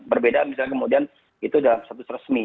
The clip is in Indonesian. berbeda misalnya kemudian itu dalam status resmi